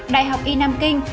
đại học y nam kinh